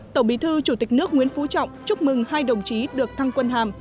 tổng bí thư chủ tịch nước nguyễn phú trọng chúc mừng hai đồng chí được thăng quân hàm